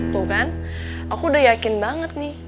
tuh kan aku udah yakin banget nih